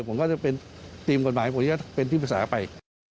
ผมก็จะเป็นทีมกฎหมายผมจะเป็นที่ปรึกษาไป